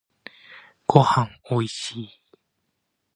ごはんおいしい